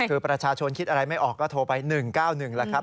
คือประชาชนคิดอะไรไม่ออกก็โทรไป๑๙๑แล้วครับ